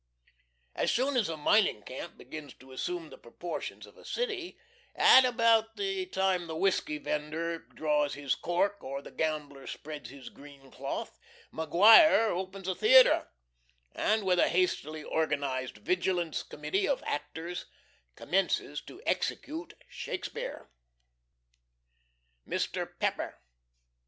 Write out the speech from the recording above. As soon as a mining camp begins to assume the proportions of a city, at about the time the whiskey vender draws his cork or the gambler spreads his green cloth, Maguire opens a theatre, and with a hastily organized "Vigilance Committee" of actors, commences to execute Shakespeare. 4.6. MR. PEPPER.